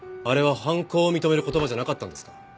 あれは犯行を認める言葉じゃなかったんですか？